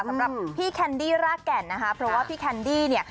สำหรับพี่แคนดี้รากแก่นนะคะเพราะว่าพี่แคนดี้เนี่ย